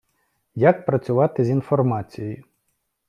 Як працювати з інформацією.